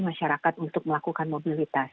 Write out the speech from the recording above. masyarakat untuk melakukan mobilitas